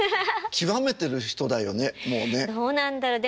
極めてる人だよねもうね。